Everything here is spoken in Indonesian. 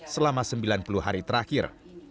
selama sembilan puluh hari terakhir